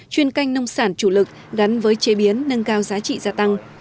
chuyên canh nông sản chủ lực gắn với chế biến nâng cao giá trị gia tăng